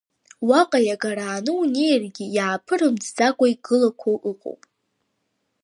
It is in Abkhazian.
Уаҟа иагарааны унеиргьы иааԥырымҵӡакәа игылақәоу ыҟоуп.